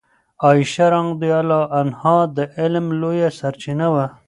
عائشه رضی الله عنها د علم لویه سرچینه وه.